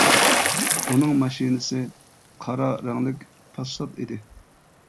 ئۇنىڭ ماشىنىسى قارا رەڭلىك پاسسات ئىدى!